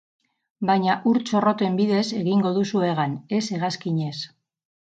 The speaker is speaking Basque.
Baina ur txorroten bidez egingo duzu hegan, ez hegazkinez.